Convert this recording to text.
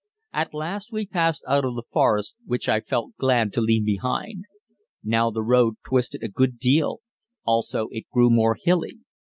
At last we passed out of the forest, which I felt glad to leave behind. Now the road twisted a good deal, also it grew more hilly.